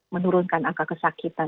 menurunkan angka kesakitan